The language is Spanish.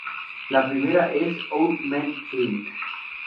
La primera es "Our man Flint".